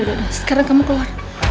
sudah sudah sekarang kamu keluar